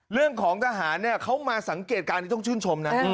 เรื่องของทหารเนี่ยเขามาสังเกตการณ์นี้ต้องชื่นชมนะ